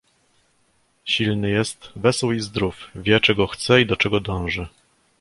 "Silny jest, wesół i zdrów, wie, czego chce i do czego dąży."